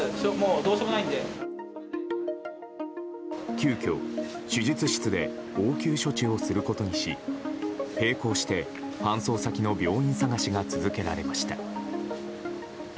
急きょ、手術室で応急処置をすることにし並行して搬送先の病院探しが続けられました。